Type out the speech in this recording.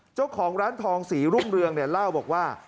เจ้าของร้านทองศรีรุ่งเรืองเนี่ยเล่าบอกว่า